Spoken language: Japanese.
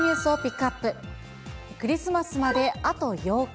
クリスマスまであと８日。